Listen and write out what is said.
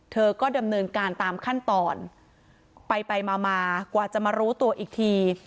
เธอก็ดำเนินการตามขั้นตอนไปไปมามากว่าจะมารู้ตัวอีกที